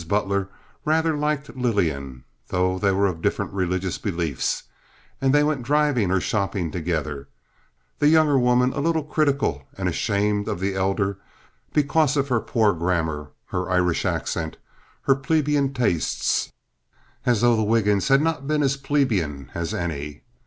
Butler rather liked Lillian, though they were of different religious beliefs; and they went driving or shopping together, the younger woman a little critical and ashamed of the elder because of her poor grammar, her Irish accent, her plebeian tastes—as though the Wiggins had not been as plebeian as any.